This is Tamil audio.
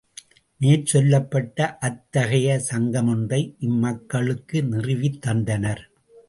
மேற்சொல்லப்பட்ட அத்தகைய சங்கமொன்றை இம்மக்களுக்கு நிறுவித்தந்தனர்.